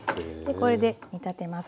これで煮立てます。